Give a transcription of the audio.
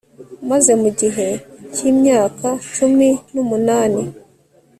maze mu gihe cy'imyaka cumi n'umunani